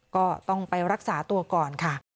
ก็ต้องไปรักษาตัวก่อนค่ะ